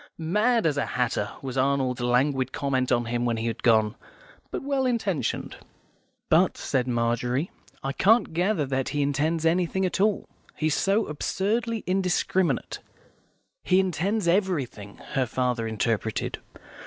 "Mad as a hatter," was Arnold's languid comment on him when he had gone; "but well intentioned." "But," said Margery, "I can't gather that he intends anything at all. He's so absurdly indiscriminate." "He intends everything," her father interpreted.